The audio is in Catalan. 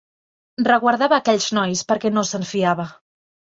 Reguardava aquells nois perquè no se'n fiava.